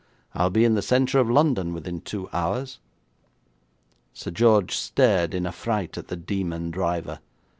I'll be in the centre of London within two hours.' Sir George stared in affright at the demon driver.